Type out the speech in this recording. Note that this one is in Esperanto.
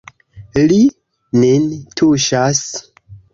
Li nin tuŝas.